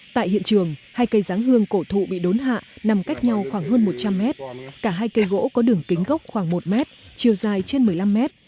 tại hiện trường hai cây giáng hương cổ thụ bị đốn hạ nằm cách nhau khoảng hơn một trăm linh mét cả hai cây gỗ có đường kính gốc khoảng một mét chiều dài trên một mươi năm mét